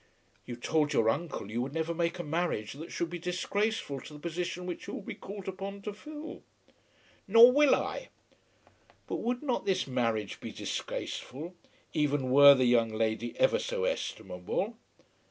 "You told your uncle you would never make a marriage that should be disgraceful to the position which you will be called upon to fill." "Nor will I." "But would not this marriage be disgraceful, even were the young lady ever so estimable?